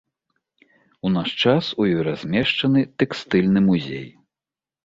У наш час у ёй размешчаны тэкстыльны музей.